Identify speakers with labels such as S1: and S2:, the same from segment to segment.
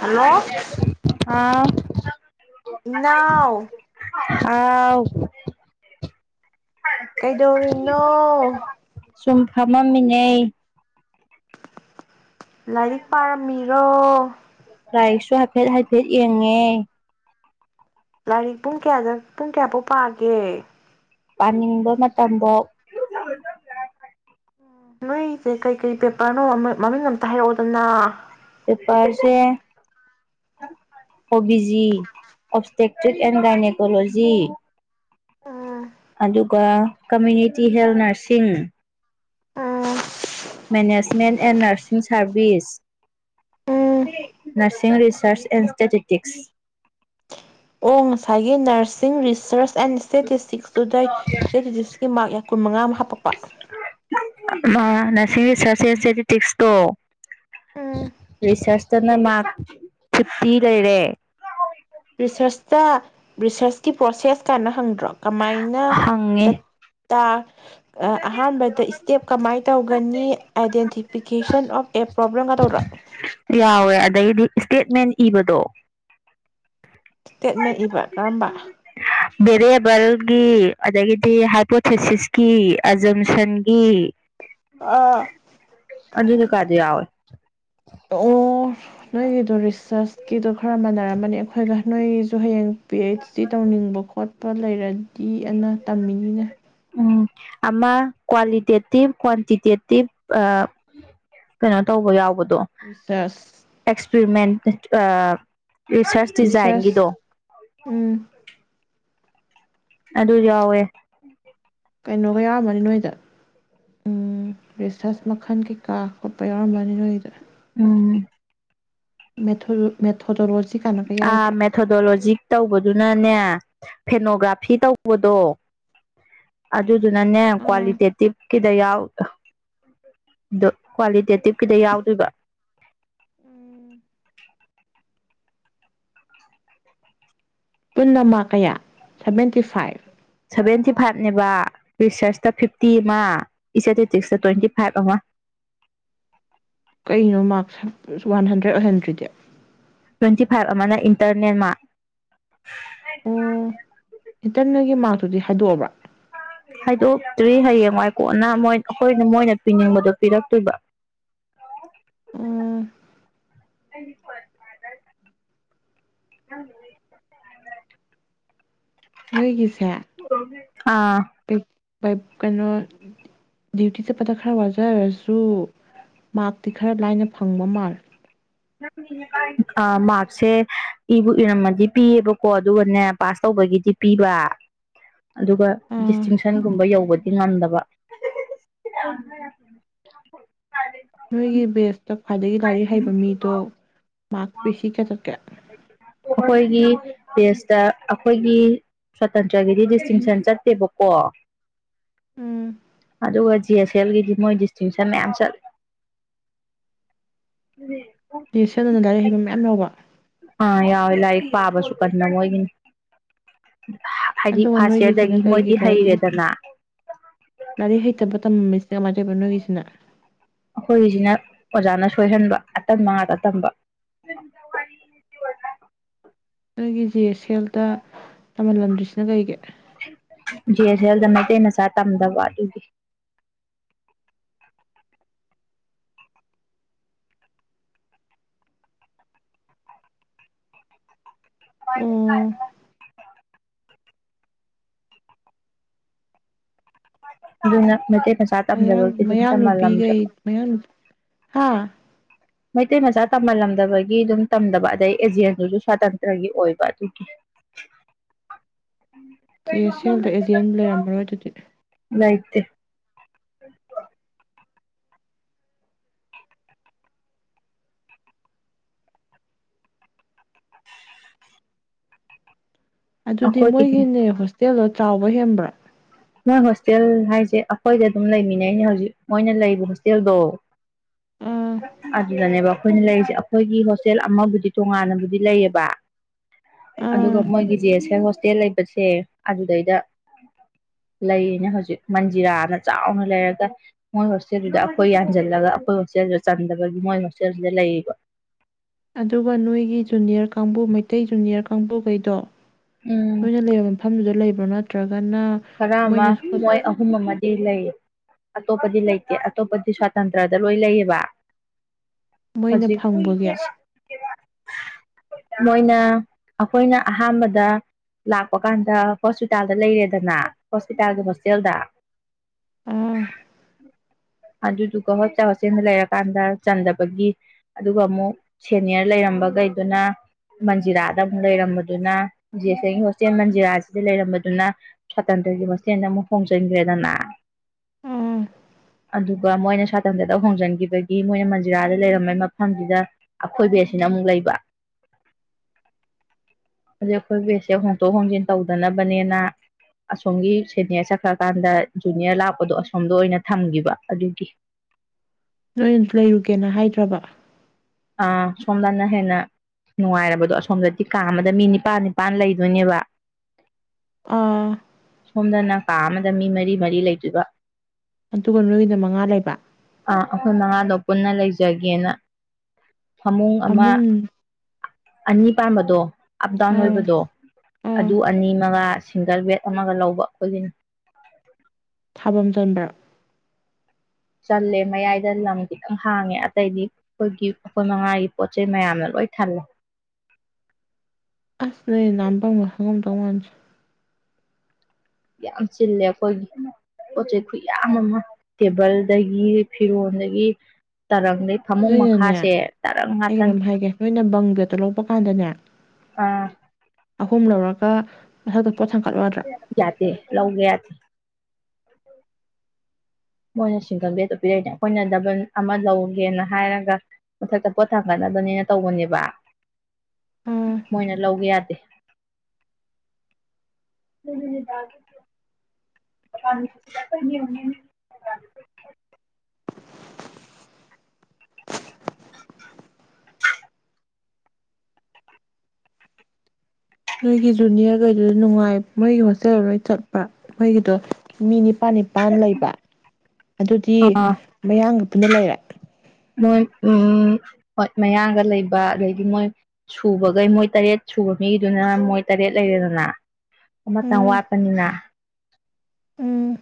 S1: Hello
S2: ꯑꯥ
S1: ꯏꯅꯥꯎ
S2: ꯍꯥꯎ
S1: ꯀꯩꯗꯧꯔꯤꯅꯣ
S2: ꯁꯨꯝ ꯐꯝꯃꯝꯃꯤꯟꯅꯩ꯫
S1: ꯂꯥꯏꯔꯤꯛ ꯄꯥꯔꯝꯃꯤꯔꯣ?
S2: ꯂꯥꯏꯔꯤꯛꯁꯨ ꯍꯥꯏꯐꯦꯠ ꯍꯥꯏꯐꯦꯠ ꯌꯦꯡꯉꯦ
S1: ꯂꯥꯏꯔꯤꯛ ꯄꯨꯡ ꯀꯌꯥꯐꯧ ꯄꯨꯡ ꯀꯌꯥꯐꯥꯎ ꯄꯥꯒꯦ
S2: ꯄꯥꯅꯤꯡꯕ ꯃꯇꯝꯐꯧ꯫
S1: ꯅꯣꯏꯁꯦ ꯀꯩ ꯀꯩ ꯄꯦꯄꯔꯅꯣ ꯃꯃꯤꯡ ꯑꯝꯇ ꯍꯥꯏꯔꯛꯑꯣꯗꯅ
S2: ꯄꯦꯄꯔꯁꯦ ꯑꯣꯕꯤꯖꯤ ꯑꯣꯞꯇꯦꯛꯇꯤꯞ ꯑꯦꯟ ꯒꯥꯏꯅꯦꯀꯣꯂꯣꯖꯤ꯫
S1: ꯎꯝ
S2: ꯑꯗꯨꯒ community health nursing
S1: um
S2: management and nursing
S1: um
S2: service nursing research and statistics
S1: ꯑꯣ ꯉꯁꯥꯏꯒꯤ ꯅꯔꯁꯤꯡ ꯔꯤꯁꯔꯁ ꯑꯦꯟ ꯏꯁꯇꯦꯇꯤꯁꯇꯤꯛꯁꯇꯨꯗ ꯏꯁꯇꯦꯇꯇꯤꯛꯁꯀꯤ ꯃꯥꯔꯛ ꯀꯨꯟ ꯃꯉꯥ ꯑꯃ ꯍꯥꯞꯄꯛꯄ
S2: ꯅꯔꯁꯤꯡ ꯔꯤꯁꯔꯁ ꯑꯦꯟꯁꯇꯦꯇꯦꯇꯤꯛꯁꯇꯣ
S1: ꯎꯝ
S2: ꯔꯤꯁꯔꯁꯇꯅ ꯃꯥꯔꯛ ꯐꯤꯐꯇꯤ ꯂꯩꯔꯦ꯫
S1: ꯔꯤꯁꯔꯁꯇ ꯔꯤꯁꯔꯁꯀꯤ ꯄ꯭ꯔꯣꯁꯦꯁ ꯀꯥꯅ ꯍꯪꯗ꯭ꯔꯣ꯫ ꯀꯃꯥꯏꯅ
S2: ꯍꯪꯉꯦ
S1: ꯗ ꯇ ꯑꯍꯥꯟꯕꯗ ꯏꯁꯇꯦꯞ ꯀꯃꯥꯏꯅ ꯇꯧꯒꯅꯤ ꯑꯥꯏꯗꯦꯟꯇꯤꯐꯤꯀꯦꯁꯟ ꯑꯣꯐ ꯑꯦꯞ ꯄ꯭ꯔꯣꯕ꯭ꯂꯦꯝꯒꯇꯧꯗꯔꯥ
S2: ꯑꯗꯩꯗꯤ ꯏꯁꯇꯦꯠꯃꯦꯟ ꯏꯕꯗꯣ
S1: ꯏꯁꯇꯦꯠꯃꯦꯟꯠ ꯏꯕ ꯀꯔꯝꯕ
S2: ꯕꯦꯔꯤꯌꯦꯕꯜꯒꯤ ꯑꯗꯒꯤꯗꯤ ꯍꯥꯏꯄꯣꯊꯦꯁꯤꯁꯀꯤ ꯑꯖꯝꯁꯟꯒꯤ
S1: ꯑꯥ
S2: ꯑꯗꯨ ꯅꯨꯀꯥꯗꯣ ꯌꯥꯎꯏ
S1: ꯑꯣ ꯅꯣꯏꯒꯤꯗꯣ ꯔꯤꯁꯔꯁꯀꯤꯗꯣ ꯈꯔ ꯃꯥꯟꯅꯔꯝꯃꯅꯤ ꯑꯩꯈꯣꯏꯒ ꯅꯣꯏꯒꯤꯁꯨ ꯍꯌꯦꯡ ꯄꯤ ꯍꯦꯆ ꯗꯤ ꯇꯧꯅꯤꯡꯕ ꯈꯣꯠ ꯄ ꯂꯩꯔꯗꯤ ꯑꯅ ꯇꯝꯃꯤꯅꯤꯅꯦ
S2: ꯑꯃ ꯀ꯭ꯋꯥꯂꯤꯇꯦꯇꯤꯞ ꯀ꯭ꯋꯥꯟꯇꯤꯇꯦꯇꯤꯞ ꯑ ꯀꯩꯅꯣ ꯇꯧꯕ ꯌꯥꯎꯕ
S1: ꯔꯤꯁꯔꯁ
S2: ꯑꯦꯛꯁꯄꯦꯔꯤꯃꯦꯟ ꯑ ꯔꯤꯁꯔꯁ ꯗꯤꯖꯥꯏꯟꯒꯤꯗꯣ
S1: ꯔꯤꯁꯔꯁ ꯎꯝ
S2: ꯑꯗꯨ ꯌꯥꯎꯋꯦ
S1: ꯀꯩꯅꯣꯒ ꯌꯥꯎꯔꯝꯃꯅꯤ ꯅꯣꯏꯗ ꯎ ꯔꯤꯁꯔꯁ ꯃꯈꯜ ꯀꯩꯀꯥ ꯈꯣꯠꯄ ꯌꯥꯎꯔꯝꯃꯅꯤ ꯅꯣꯏꯗ
S2: ꯎꯝ
S1: ꯃꯦ ꯊ ꯃꯦ ꯊꯣꯗꯣꯂꯣꯖꯤ
S2: ꯑ ꯃꯦꯊꯣꯗꯣꯂꯣꯖꯤ ꯇꯧꯕꯗꯨꯅꯅꯦ ꯐꯦꯅꯣꯒ꯭ꯔꯥꯐꯤ ꯇꯧꯕꯗꯣ ꯑꯗꯨꯗꯨꯅꯅꯦ
S1: ꯑꯥ
S2: ꯀ꯭ꯋꯥꯂꯤꯇꯦꯇꯤꯞꯀꯤꯗ ꯌꯥꯎ ꯀ꯭ꯋꯥꯂꯤꯇꯦꯇꯤꯞ ꯀꯤꯗ ꯌꯥꯎꯗꯣꯏꯕ
S1: ꯄꯨꯟꯅ ꯃꯥꯛ ꯀꯌꯥ ꯁꯚꯦꯟꯇꯤ ꯐꯥꯏꯚ
S2: ꯁꯚꯦꯟꯇꯤ ꯐꯥꯏꯚꯅꯦꯕ ꯔꯤꯁꯔꯁꯇ ꯐꯤꯞꯇꯤ ꯑꯃ ꯏꯁꯦꯇꯦꯇꯤꯛꯁꯇ ꯇ꯭ꯋꯦꯟꯇꯤ ꯐꯥꯏꯚ ꯑꯃ
S1: ꯀꯩꯅꯣ ꯃꯥꯔꯛꯁ ꯋꯥꯟ ꯍꯟꯗ꯭ꯔꯦꯠ ꯑꯣꯏꯍꯟꯗ꯭ꯔꯤꯗꯤ
S2: ꯇ꯭ꯋꯦꯟꯇꯤ ꯐꯥꯏꯚ ꯑꯃꯅ ꯏꯟꯇꯔꯅꯦꯜ ꯃꯥꯛ
S1: ꯎꯝ ꯏꯟꯇꯔꯅꯦꯜꯒꯤ ꯃꯥꯔꯛꯇꯨꯗꯤ ꯍꯥꯏꯗꯣꯛꯑꯕꯥ
S2: ꯍꯥꯏꯗꯣꯛꯇ꯭ꯔꯤ ꯍꯌꯦꯡꯋꯥꯏ ꯀꯣꯅ ꯃꯣꯏ ꯑꯩꯈꯣꯏꯅ ꯃꯣꯏꯅ ꯄꯤꯅꯤꯡꯕꯗꯣ ꯄꯤꯔꯛꯇꯣꯏꯕ
S1: ꯑꯣ
S2: ꯑꯩꯗꯤ ꯀꯣꯂꯦꯖ ꯀꯥꯗꯧꯔꯦ ꯎꯝ
S1: ꯅꯣꯏꯒꯤꯁꯦ
S2: ꯑꯥ
S1: ꯀꯩꯅꯣ ꯗ꯭ꯌꯨꯇꯤ ꯆꯠꯄꯗ ꯈꯔ ꯋꯥꯖꯔꯁꯨ ꯃꯥꯛꯇꯤ ꯈꯔ ꯂꯥꯏꯅ ꯐꯪꯕ ꯃꯥꯜꯂꯦ
S2: ꯑ ꯃꯥꯔꯛꯁꯦ ꯏꯕꯨ ꯏꯔꯝꯃꯗꯤ ꯄꯤꯌꯦꯕꯀꯣ ꯑꯗꯨꯒꯅꯦ ꯄꯥꯁ ꯇꯧꯕꯒꯤꯗꯤ ꯄꯤꯕ ꯑꯗꯨꯒ ꯗꯤꯁꯇꯤꯡꯁꯟꯒꯨꯝꯕ ꯌꯧꯕꯗꯤ ꯉꯝꯗꯕ
S1: ꯅꯣꯏꯒꯤ ꯕꯦꯁꯇ ꯈ꯭ꯋꯥꯏꯗꯒꯤ ꯂꯥꯏꯔꯤꯛ ꯍꯩꯕ ꯃꯤꯗꯣ ꯃꯥꯛ ꯄꯤ ꯁꯤ ꯀꯌꯥ ꯆꯠꯀꯦ
S2: ꯑꯩꯈꯣꯏꯒꯤ ꯕꯦꯁꯇ ꯑꯩꯈꯣꯏꯒꯤ ꯁ꯭ꯋꯥꯇꯟꯇ꯭ꯔꯒꯤꯗꯤ ꯗꯤꯁꯇꯤꯡꯁꯟ ꯆꯠꯇꯦꯕꯀꯣ
S1: ꯎꯝ
S2: ꯑꯗꯨꯒ ꯖꯤ ꯑꯦꯁ ꯑꯦꯜꯒꯤꯗꯤ ꯃꯣꯏ ꯗꯤꯁꯇꯤꯡꯁꯟ ꯃꯌꯥꯝ ꯆꯠꯂꯦ
S1: ꯁꯅ ꯂꯥꯏꯔꯤꯛ ꯍꯩꯕ ꯃꯌꯥꯝ ꯌꯥꯝ ꯌꯥꯎꯕ
S2: ꯑꯥ ꯌꯥꯎꯋꯦ ꯂꯥꯏꯔꯤꯛ ꯄꯥꯕꯁꯨ ꯐꯖꯅ ꯃꯣꯏꯒꯤꯅꯤ
S1: ꯑꯗꯨꯒ ꯅꯣꯏꯒꯤꯁꯤꯅ ꯀꯩꯒꯤ ꯂꯥꯏꯔꯤꯛ ꯍꯩ
S2: ꯍꯩꯔꯦꯗꯅ
S1: ꯂꯥꯏꯔꯤꯛ ꯍꯩꯇꯕ ꯇꯝꯃꯝꯃꯤ ꯀꯃꯥꯏꯅ ꯇꯩꯕ ꯅꯣꯏꯒꯤꯁꯤꯅ
S2: ꯑꯩꯈꯣꯏꯒꯤꯁꯤꯅ ꯑꯣꯖꯥꯅ ꯁꯣꯏꯍꯟꯕ ꯑꯇꯝꯕ ꯉꯥꯛꯇ ꯇꯝꯕ
S1: ꯅꯪꯒꯤ ꯖꯤꯦ ꯑꯦꯁ ꯑꯦꯜꯗ ꯇꯝꯍꯜꯂꯝꯗ꯭ꯔꯤꯁꯤꯅ ꯀꯩꯒꯤ
S2: ꯖꯤ ꯑꯦ ꯁꯦꯜꯗ ꯃꯩꯇꯩ ꯃꯆꯥ ꯇꯝꯗꯕ ꯑꯗꯨꯒꯤ
S1: ꯑꯣ
S2: [unintelligible] ꯑꯗꯨꯅ ꯃꯩꯇꯩ ꯃꯆꯥ
S1: ꯃꯌꯥꯡ
S2: ꯇꯝꯗꯕꯒꯤ ꯑꯗꯨꯝ
S1: ꯃꯌꯥꯡ ꯅꯨꯄꯤꯈꯩ
S2: ꯇꯝꯍꯜꯂꯝꯗ꯭ꯔꯕ
S1: ꯃꯌꯥꯡ ꯅꯨ ꯍꯥ
S2: ꯃꯩꯇꯩ ꯃꯆꯥ ꯇꯝꯍꯜꯂꯝꯗꯕꯒꯤ ꯑꯗꯨꯝ ꯇꯝꯗꯕ ꯑꯗꯩ ꯑꯦꯖꯦꯟꯗꯨꯁꯨ ꯁ꯭ꯋꯥꯇꯟꯇ꯭ꯔꯒꯤ ꯑꯣꯏꯕ ꯑꯗꯨꯒꯤ
S1: ꯁꯤ ꯑꯦ ꯁꯤ ꯑꯦꯜꯗ ꯑꯦꯖꯦꯟ ꯂꯩꯔꯝꯃꯔꯣꯏ ꯑꯗꯨꯗꯤ
S2: ꯂꯩꯇꯦ [unintelligible]
S1: ꯑꯗꯨꯗꯤ
S2: ꯑꯩꯈꯣꯏꯒꯤꯅꯦ
S1: ꯃꯣꯏꯒꯤꯅꯦ ꯇꯦꯜꯗꯣ ꯆꯥꯎꯕ ꯍꯦꯟꯕ꯭ꯔꯥ
S2: ꯅꯣꯏ ꯍꯣꯁꯇꯦꯜ ꯍꯥꯏꯁꯦ ꯑꯩꯈꯣꯏꯗ ꯑꯗꯨꯝ ꯂꯩꯃꯤꯟꯅꯩꯅꯦ ꯍꯧꯖꯤꯛ ꯃꯣꯏꯅ ꯂꯩꯕ ꯍꯣꯁꯇꯦꯜꯗꯣ
S1: ꯑꯥ
S2: ꯑꯗꯨꯗꯅꯦꯕ ꯑꯩꯈꯣꯏꯅ ꯂꯩꯔꯤꯁꯦ ꯑꯩꯈꯣꯏꯒꯤ ꯍꯣꯁꯇꯦꯜ ꯑꯃꯕꯨꯗꯤ ꯇꯣꯉꯥꯟꯅꯕꯨꯗꯤ ꯂꯩꯌꯦꯕ ꯑꯗꯨꯒ
S1: ꯑꯥ
S2: ꯃꯣꯏꯒꯤ ꯖꯦ ꯑꯦꯁ ꯑꯦꯜ ꯍꯣꯁꯇꯦꯜ ꯂꯩꯕꯁꯦ ꯑꯗꯨꯗꯩꯗ ꯂꯩꯌꯦꯅꯦ ꯍꯧꯖꯤꯛ ꯃꯟꯖꯤꯔꯥꯅ ꯆꯥꯎꯅ ꯂꯩꯔꯒ ꯃꯣꯏ ꯍꯣꯁꯇꯦꯜꯗꯨꯗ ꯑꯩꯈꯣꯏ ꯌꯥꯟꯁꯤꯜꯂꯒ ꯑꯩꯈꯣꯏ ꯍꯣꯁꯇꯦꯜꯗꯨꯗ ꯆꯟꯗꯕꯒꯤ ꯃꯣꯏ ꯍꯣꯁꯇꯦꯜꯗꯨꯗ ꯂꯩꯔꯤꯕ꯫
S1: ꯑꯗꯨꯒ ꯅꯣꯏꯒꯤ ꯖꯨꯅꯤꯌꯔ ꯀꯥꯡꯕꯨ ꯃꯩꯇꯩ ꯖꯨꯅꯤꯌꯔ ꯀꯥꯡꯕꯨꯈꯩꯗꯣ꯫
S2: ꯎꯝ
S1: ꯑꯩꯈꯣꯏꯅ ꯂꯩꯕ ꯃꯐꯝꯗꯨꯗ꯫ ꯂꯩꯕ꯭ꯔꯥ ꯅꯠꯇ꯭ꯔꯒ
S2: ꯈꯔ ꯑꯃ ꯃꯣꯏ ꯑꯍꯨꯝ ꯑꯃꯗꯤ ꯂꯩ ꯑꯇꯣꯞꯄꯗꯤ ꯂꯩꯇꯦ ꯑꯇꯣꯞꯄꯗꯤ ꯁ꯭ꯋꯥꯇꯟꯇ꯭ꯔꯗ ꯂꯣꯏ ꯂꯩꯌꯦꯕ꯫ [inaudible]
S1: ꯃꯣꯏꯅ ꯐꯪꯕꯒꯤ
S2: ꯃꯣꯏꯅ ꯑꯩꯈꯣꯏꯅ ꯑꯍꯥꯟꯕꯗ ꯂꯥꯛꯄ ꯀꯥꯟꯗ ꯍꯣꯁꯄꯤꯇꯥꯜꯗ ꯂꯩꯔꯦ꯫ ꯗꯅꯅ ꯍꯣꯁꯄꯤꯇꯥꯜꯒꯤ ꯃꯁꯦꯜꯗ
S1: ꯎꯝ
S2: ꯑꯗꯨꯗꯨꯒ ꯍꯣꯁꯄꯤꯇꯥꯜ ꯍꯣꯁꯇꯦꯜꯗ ꯂꯩꯔꯀꯥꯟꯗ ꯆꯟꯗꯕꯒꯤ ꯑꯗꯨꯒ ꯑꯃꯨꯛ ꯁꯦꯅꯤꯌꯔ ꯂꯩꯔꯝꯕꯈꯩꯗꯨꯅ ꯃꯟꯖꯤꯔꯥꯗ ꯑꯃꯨꯛ ꯂꯩꯔꯝꯕꯗꯨꯅ ꯖꯤꯁ ꯑꯦꯝꯒꯤ ꯍꯣꯁꯇꯦꯜ ꯃꯟꯖꯤꯔꯥꯁꯤꯗ ꯂꯩꯔꯝꯕꯗꯨꯅ ꯁ꯭ꯋꯥꯇꯟꯇ꯭ꯔꯒꯤ ꯃꯁꯦꯜꯗ ꯑꯃꯨꯛ ꯍꯣꯡꯖꯤꯟꯈ꯭ꯔꯦꯗꯅ
S1: ꯑꯥ
S2: ꯑꯗꯨꯒ ꯃꯣꯏꯅ ꯁ꯭ꯋꯥꯇꯟꯇ꯭ꯔꯗ ꯍꯣꯡꯖꯤꯟꯈꯤꯕꯒꯤ ꯃꯣꯏꯅ ꯃꯟꯖꯤꯔꯥꯗ ꯂꯩꯔꯝꯝꯕ ꯃꯐꯝꯁꯤꯗ ꯑꯩꯈꯣꯏ ꯕꯦꯠꯁꯤꯅ ꯑꯃꯨꯛ ꯂꯩꯕ ꯑꯗꯨ ꯑꯩꯈꯣꯏ ꯕꯦꯠꯁꯦ ꯍꯣꯡꯗꯣꯛ ꯍꯣꯡꯖꯤꯟ ꯇꯧꯗꯅꯕꯅꯦꯅ ꯑꯁꯣꯝꯒꯤ ꯁꯦꯅꯤꯌꯔ ꯆꯠꯈ꯭ꯔꯀꯥꯟꯗ ꯖꯨꯅꯤꯌꯔ ꯂꯥꯛꯄꯗꯣ ꯑꯁꯣꯝꯗ ꯑꯣꯏꯅ ꯊꯝꯈꯤꯕ ꯑꯗꯨꯒꯤ꯫
S1: ꯅꯣꯏꯅꯁꯨ ꯂꯩꯔꯨꯒꯦꯅ ꯍꯥꯏꯗ꯭ꯔꯕ
S2: ꯑꯥ ꯁꯣꯝꯗꯅ ꯍꯦꯟꯅ ꯅꯨꯡꯉꯥꯏꯔꯕꯗꯣ ꯑꯁꯣꯝꯗꯗꯤ ꯀꯥ ꯑꯃꯗ ꯃꯤ ꯅꯤꯄꯥꯜ ꯅꯤꯄꯥꯜ ꯂꯩꯗꯣꯏꯅꯦꯕ
S1: ꯑꯥ
S2: ꯁꯣꯝꯗꯅ ꯀꯥ ꯑꯃꯗ ꯃꯤ ꯃꯔꯤ ꯃꯔꯤ ꯂꯩꯗꯣꯏꯕ
S1: ꯑꯗꯨꯒ ꯅꯣꯏꯅ ꯃꯉꯥ ꯂꯩꯕ
S2: ꯑꯩꯈꯣꯏ ꯃꯉꯥꯗꯣ ꯄꯨꯟꯅ ꯂꯩꯖꯒꯦꯅ ꯐꯃꯨꯡ ꯑꯃ
S1: ꯐꯃꯨꯡ
S2: ꯑꯅꯤ ꯄꯝꯕꯗꯣ ꯑꯞ ꯗꯥꯎꯟ
S1: ꯑ
S2: ꯑꯣꯏꯕꯗꯣ
S1: ꯑ
S2: ꯑꯗꯨ ꯑꯅꯤ ꯃꯉꯥ ꯁꯤꯡꯒꯜ ꯕꯦꯗ ꯑꯃꯒ ꯂꯧꯕ ꯑꯩꯈꯣꯏꯒꯤꯅꯤ
S1: ꯊꯥꯕꯝ ꯆꯟꯕ꯭ꯔꯥ
S2: ꯆꯜꯂꯦ ꯃꯌꯥꯏꯗ ꯂꯝ ꯈꯤꯇꯪ ꯍꯥꯡꯉꯦ ꯑꯇꯩꯗꯤ ꯑꯩꯈꯣꯏꯒꯤ ꯑꯩꯈꯣꯏ ꯃꯉꯥꯒꯤ ꯄꯣꯠ ꯆꯩꯩ ꯃꯌꯥꯝꯅ ꯂꯣꯏ ꯊꯜꯂꯦ
S1: ꯑꯁ ꯅꯣꯏ ꯅꯥꯟꯕꯝꯒ ꯈꯪꯉꯝꯗꯧ ꯃꯟꯗꯦ
S2: ꯌꯥꯝ ꯆꯤꯜꯂꯦ ꯑꯩꯈꯣꯏꯒꯤ ꯄꯣꯠ ꯆꯩꯩ ꯈꯨꯠꯌꯥꯝ ꯑꯃ ꯇꯦꯕꯜꯗꯒꯤ ꯐꯤꯔꯣꯟꯗꯒꯤ ꯇꯔꯪꯗꯩ ꯐꯃꯨꯡ
S1: ꯅꯣꯏꯅꯅꯦ
S2: ꯃꯈꯥꯁꯦ ꯇꯔꯪ ꯉꯥꯛꯇꯅꯦ
S1: ꯕꯥꯪ ꯕꯦꯗꯇꯣ ꯂꯧꯕ ꯀꯥꯟꯗꯅꯦ
S2: ꯑꯥ
S1: ꯑꯍꯨꯝ ꯂꯧꯔꯒ꯫ ꯄꯣꯠ ꯊꯥꯡꯀꯠꯂꯣ ꯌꯥꯗ꯭ꯔꯥ
S2: ꯌꯥꯗꯦ ꯂꯧꯒ ꯌꯥꯗꯦ ꯃꯣꯏꯅ ꯁꯤꯡꯒꯜ ꯕꯦꯗꯇ ꯄꯤꯔꯛꯏꯅꯦ ꯑꯩꯈꯣꯏꯅ ꯗꯕꯜ ꯑꯃ ꯂꯧꯒꯦꯅ ꯍꯥꯏꯔꯒ ꯃꯊꯛꯇ ꯄꯣꯠꯊꯥꯡꯒꯠꯅꯕꯅꯤꯅ ꯇꯧꯕꯅꯦꯕ
S1: ꯑ
S2: ꯃꯣꯏꯅ ꯂꯧꯒꯦ ꯌꯥꯗꯦ [inaudible]
S1: ꯅꯣꯏꯒꯤ ꯖꯨꯅꯤꯌꯔꯈꯩꯗꯨꯗ ꯅꯨꯡꯉꯥꯏ ꯃꯣꯏꯒꯤ ꯍꯣꯁꯇꯦꯜ ꯂꯣꯏ ꯆꯠꯄ ꯃꯣꯏꯒꯤꯗꯣ ꯃꯤ ꯅꯤꯄꯥꯜ ꯅꯤꯄꯥꯟ ꯂꯩꯕ ꯑꯗꯨꯗꯤ
S2: ꯑꯥ
S1: ꯃꯌꯥꯡꯒ ꯄꯨꯟꯅ ꯂꯩꯔꯦ
S2: ꯃꯣꯏ ꯎꯝ ꯍꯣꯏ ꯃꯌꯥꯡꯒ ꯂꯩꯕ ꯑꯗꯩꯗꯤ ꯃꯣꯏ ꯁꯨꯕꯈꯩ ꯃꯣꯏ ꯇꯔꯦꯠ ꯁꯨꯕ ꯃꯤꯗꯨꯅ ꯃꯣꯏ ꯇꯔꯦꯠ ꯂꯩꯔꯦꯗꯅ꯫ ꯑꯃꯇꯪ
S1: ꯎꯝ
S2: ꯋꯥꯠꯄꯅꯤꯅ
S1: ꯎꯝ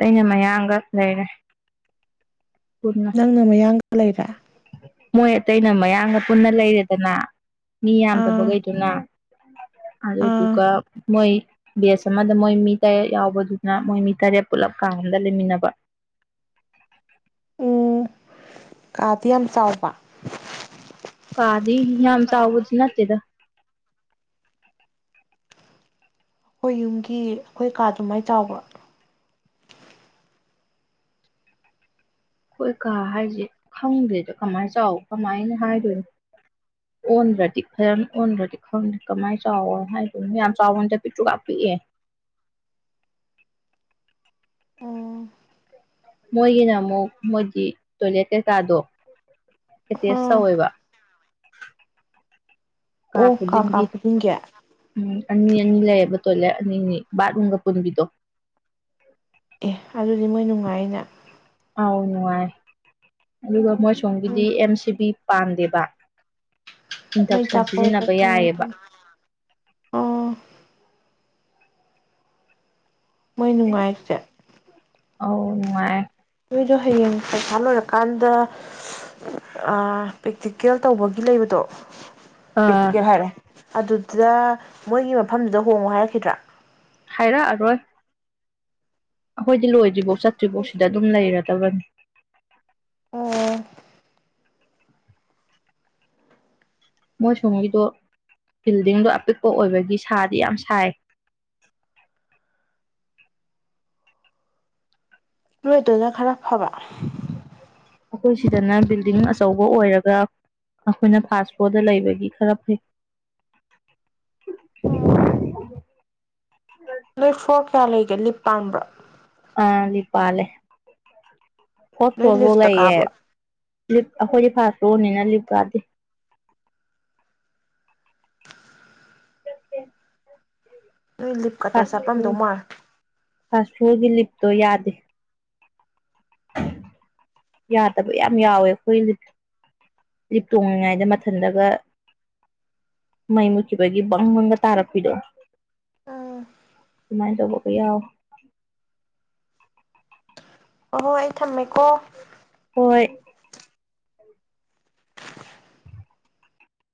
S2: ꯑꯩꯅ ꯃꯌꯥꯡꯒ ꯂꯩꯔꯦ ꯄꯨꯟꯅ
S1: ꯅꯪꯅ ꯃꯌꯥꯡ ꯂꯩꯔꯦ
S2: ꯃꯣꯏ ꯑꯇꯩꯅ ꯃꯌꯥꯡꯒ ꯄꯨꯟꯅ ꯂꯩꯔꯦꯗꯅ ꯃꯤ
S1: ꯑꯥ
S2: ꯌꯥꯝꯗꯕꯈꯩꯗꯨꯅ [unintelligible]
S1: ꯑꯥ
S2: ꯑꯗꯨꯗꯨꯒ ꯃꯣꯏ ꯕꯦꯁ ꯑꯃꯗ ꯃꯣꯏ ꯃꯤ ꯇꯔꯦꯠ ꯌꯥꯎꯕꯗꯨꯅ ꯃꯣꯏ ꯃꯤ ꯇꯔꯦꯠ ꯄꯨꯂꯞ ꯀꯥ ꯑꯃꯗ ꯄꯨꯜꯂꯞ ꯂꯩꯃꯤꯟꯅꯕ
S1: ꯑꯣ ꯀꯥꯗꯤ ꯌꯥꯝ ꯆꯥꯎꯕ
S2: ꯀꯥꯗ ꯌꯥꯝ ꯆꯥꯎꯕꯗꯤ ꯅꯠꯇꯦꯗ [unintelligible]
S1: ꯑꯩꯈꯣꯏ ꯌꯨꯝꯒꯤ ꯑꯩꯈꯣꯏ ꯀꯥ ꯑꯗꯨꯃꯥꯏꯅ ꯆꯥꯎꯕ
S2: ꯑꯩꯈꯣꯏ ꯀꯥ ꯍꯥꯏꯁꯦ ꯈꯪꯗ꯭ꯔꯦꯗ ꯀꯃꯥꯏꯅ ꯆꯥꯎ ꯀꯃꯥꯏꯅ ꯍꯥꯏꯗꯣꯏꯅꯣ ꯑꯣꯟꯗ꯭ꯔꯗꯤ ꯐꯖꯅ ꯑꯣꯟꯈ꯭ꯔꯗꯤ ꯈꯪꯗꯦ ꯀꯃꯥꯏꯅ ꯆꯥꯎ ꯍꯥꯏꯗꯣꯏꯅꯣ ꯌꯥꯝ ꯆꯥꯎꯕꯗ ꯄꯤ꯭ꯔꯨꯀꯥꯞ ꯄꯤꯛꯑꯦ
S1: ꯑꯣ
S2: ꯃꯣꯏꯒꯤꯅ ꯑꯃꯨꯛ ꯃꯣꯏꯗꯤ ꯇꯣꯏꯂꯦꯠ ꯀꯩ ꯀꯥꯗꯣ ꯑꯦꯇꯦꯁ
S1: ꯑꯥ
S2: ꯇꯧꯋꯦꯕ [unintelligible] ꯀꯥ ꯈꯨꯗꯤꯡꯒꯤ ꯎꯝ ꯑꯅꯤ ꯑꯅꯤ ꯂꯩꯌꯦꯕ ꯇꯣꯏꯂꯦꯠ ꯑꯅꯤꯅꯤ ꯕꯥꯠ ꯔꯨꯝꯒ ꯄꯨꯟꯕꯤꯗꯣ
S1: ꯑꯦ ꯑꯗꯨꯗꯤ ꯃꯣꯏ ꯅꯨꯡꯉꯥꯏꯅ
S2: ꯑꯥꯎ ꯅꯨꯡꯉꯥꯏ ꯑꯗꯨꯒ ꯃꯣꯏ
S1: ꯎꯝ
S2: ꯁꯣꯝꯒꯤꯗꯤ ꯑꯦꯝ ꯁꯤ ꯕꯤ ꯄꯥꯟꯗꯦꯕ
S1: ꯃꯩ
S2: ꯏꯟꯗꯛꯁꯟ
S1: ꯆꯥꯛꯄꯗ
S2: ꯁꯤꯖꯤꯟꯅꯕ ꯌꯥꯌꯦꯕ
S1: ꯈꯪꯉꯛꯀꯅꯤ ꯑꯥ ꯃꯣꯏ ꯅꯨꯡꯉꯥꯏꯁꯦ
S2: ꯑꯧ ꯅꯨꯡꯉꯥꯏ
S1: ꯑꯗꯣ ꯍꯌꯦꯡ ꯄꯩꯈꯥ ꯂꯣꯏꯔꯀꯥꯟꯗ ꯄ꯭ꯔꯦꯛꯇꯤꯀꯦꯜ ꯇꯧꯕꯒꯤ ꯂꯩꯕꯗꯣ
S2: ꯑ
S1: ꯄꯔꯦꯛꯇꯤꯀꯦꯜ ꯍꯥꯏꯔꯛꯑꯦ ꯑꯗꯨꯗꯨꯗ ꯃꯣꯏꯒꯤ ꯃꯐꯝꯗꯨꯗ ꯍꯣꯡꯉꯣ ꯍꯥꯏꯔꯛꯈꯤꯗ꯭ꯔꯥ
S2: ꯍꯥꯏꯔꯛꯑꯔꯣꯏ ꯑꯩꯈꯣꯏꯗꯤ ꯂꯣꯏꯗ꯭ꯔꯤꯐꯧ ꯆꯠꯇ꯭ꯔꯤꯐꯧ ꯁꯤꯗ ꯑꯗꯨꯝ ꯂꯩꯔꯗꯕꯅꯤ
S1: ꯑꯣ
S2: ꯃꯣꯏꯁꯣꯝꯒꯤꯗꯣ ꯕꯤꯜꯗꯤꯡꯗꯣ ꯑꯄꯤꯛꯄ ꯑꯣꯏꯕꯒꯤ ꯁꯥꯗꯤ ꯌꯥꯝ ꯁꯥꯏ
S1: ꯅꯣꯏ ꯑꯗꯗꯨꯅ ꯈꯔ ꯐꯕ
S2: ꯑꯩꯈꯣꯏ ꯁꯤꯗꯅ ꯕꯤꯜꯗꯤꯡ ꯑꯆꯧꯕ ꯑꯣꯏꯔꯒ ꯑꯩꯈꯣꯏꯅ ꯐꯥꯁ ꯐ꯭ꯂꯣꯔꯗ ꯂꯩꯕꯒꯤ ꯈꯔ ꯐꯩ
S1: ꯅꯣꯏ ꯐꯂꯣꯔ ꯀꯌꯥ ꯂꯩꯒꯦ ꯂꯤꯞ ꯄꯥꯟꯕꯔꯣ
S2: ꯑꯥ ꯂꯤꯞ ꯄꯥꯜꯂꯦ ꯐꯣꯔꯠ
S1: ꯅꯣꯏ
S2: ꯐꯂꯣꯔꯐꯧ
S1: ꯂꯤꯐꯇ
S2: ꯂꯩꯥꯌꯦ
S1: ꯀꯥꯕ꯭ꯔꯣ
S2: ꯂꯤꯞ ꯑꯩꯈꯣꯏꯗꯤ ꯐꯥꯁ ꯔꯣꯅꯤꯅ ꯂꯤꯞ ꯀꯥꯗꯦ
S1: [unintelligible] ꯅꯣꯏ ꯂꯤꯞ ꯀꯗꯣ ꯆꯞꯄꯝ ꯗꯧ ꯃꯥꯜꯂꯦ
S2: ꯐꯥꯁ ꯐꯣꯔꯒꯤ ꯂꯤꯞꯇꯣ ꯌꯥꯗꯦ ꯌꯥꯗꯕ ꯌꯥꯝ ꯌꯥꯎꯋꯦ ꯑꯩꯈꯣꯏ ꯂꯤꯞ ꯇꯣꯡꯂꯤꯉꯥꯏꯗ ꯃꯊꯟꯗꯒ ꯃꯩ ꯃꯨꯠꯈꯤꯕꯒꯤ ꯕꯪꯕꯪꯒ ꯇꯥꯔꯛꯄꯤꯗꯣ
S1: ꯎꯝ
S2: ꯑꯗꯨꯃꯥꯏꯅ ꯇꯧꯕꯒ ꯌꯥꯎꯋ
S1: ꯑꯍꯣꯏ ꯑꯩ ꯊꯝꯃꯦꯀꯣ
S2: ꯍꯣꯏ